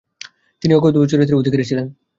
তিনি অকুতোভয় চরিত্রের অধিকারী ছিলেন।